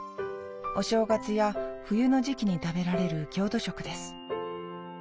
お正月や冬の時期に食べられる郷土食です。